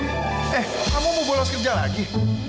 eh kamu mau bolos kerja lagi